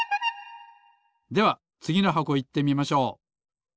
ではつぎのはこいってみましょう。